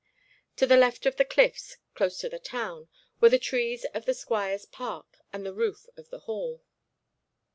To the left of the cliffs, close to the town, were the trees of the squire's park and the roof of the Hall.